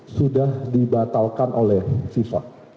sudah dibatalkan oleh fifa